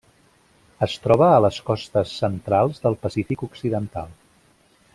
Es troba a les costes centrals del Pacífic Occidental.